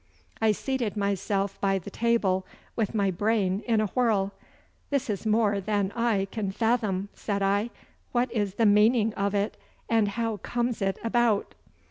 I seated myself by the table with my brain in a whirl. 'This is more than I can fathom,' said I. 'What is the meaning of it, and how comes it about?